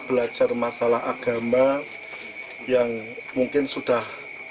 belajar masalah agama yang mungkin sudah